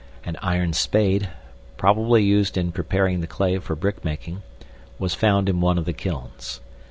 An iron spade, probably used in preparing the clay for brickmaking, was found in one of the kilns.